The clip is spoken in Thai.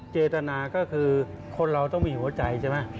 เจตนาก็คือคนเราต้องมีหัวใจใช่ไหม